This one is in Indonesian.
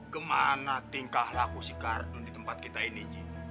kemana tingkah laku si kardun di tempat kita ini ji